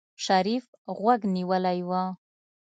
شريف غوږ نيولی و.